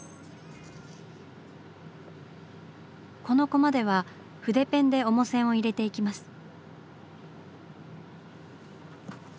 このコマでは筆ペンで主線を入れていきます。